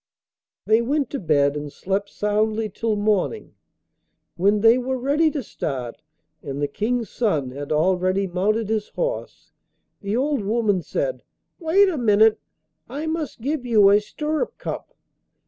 They went to bed, and slept soundly till morning. When they were ready to start and the King's son had already mounted his horse the old woman said: 'Wait a minute, I must give you a stirrup cup.